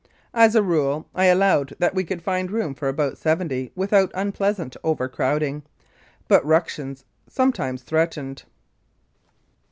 As a rule, I allowed that we could find room for about seventy without unpleasant overcrowding, but " ructions " sometimes threatened.